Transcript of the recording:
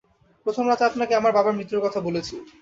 প্রথম রাতে আপনাকে আমার বাবার মৃত্যুর কথা বলেছি।